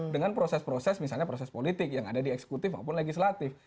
dengan proses proses misalnya proses politik yang ada di eksekutif maupun legislatif